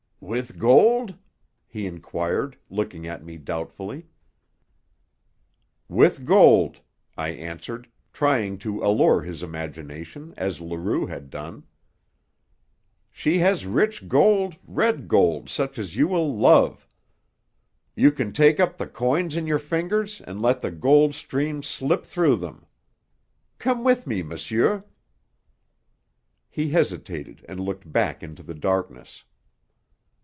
"With gold?" he inquired, looking at me doubtfully. "With gold," I answered, trying to allure his imagination as Leroux had done. "She has rich gold, red gold, such as you will love. You can take up the coins in your fingers and let the gold stream slip through them. Come with me, monsieur." He hesitated and looked back into the darkness.